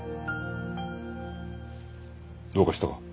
どうかしたか？